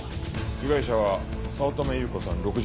被害者は早乙女由子さん６５歳。